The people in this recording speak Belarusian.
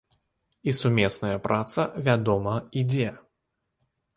І сумесная праца, вядома, ідзе.